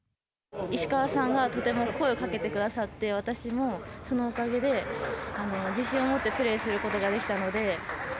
石川さんがとても声をかけてくださって、私もそのおかげで、自信を持ってプレーすることができたので。